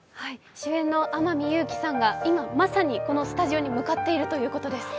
主演の天海祐希さんが今、まさにこのスタジオに向かっているということです。